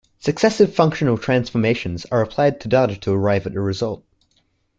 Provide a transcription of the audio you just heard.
Successive functional transformations are applied to data to arrive at the result.